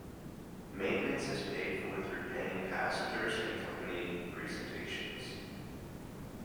Maintenance is paid for through paying passengers and company presentations.